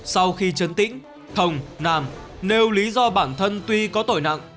sau khi chấn tĩnh thồng nam nêu lý do bản thân tuy có tội nặng